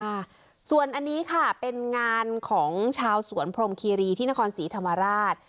ค่ะส่วนอันนี้ค่ะเป็นงานของชาวสวนพรมคีรีที่นครศรีธรรมราช